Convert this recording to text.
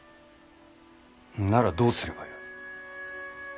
ならどうすればよい。